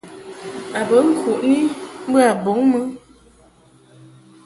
A bə ŋkuʼni mbə a bɔŋ mɨ.